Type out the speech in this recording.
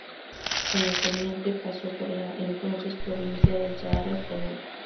Como teniente paso por la entonces provincia del Sahara español.